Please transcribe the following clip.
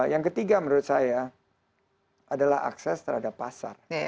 yang ketiga menurut saya adalah akses terhadap pasar